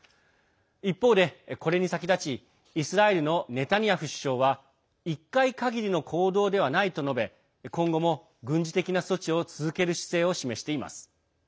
一方で、これに先立ちイスラエルのネタニヤフ首相は一回限りの行動ではないと述べ今後も、軍事的な措置を続ける姿勢を示しています。